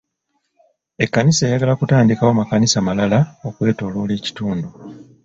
Ekkanisa eyagala kutandikawo makanisa malala okwetooloola ekitundu..